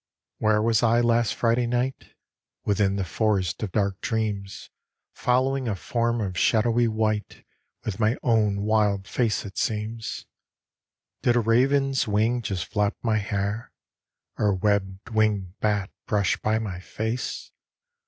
Where was I last Friday night? Within the forest of dark dreams Following a form of shadowy white With my own wild face it seems. Did a raven's wing just flap my hair? Or a web winged bat brush by my face?